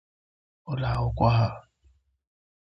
ụlọakwụkwọ ha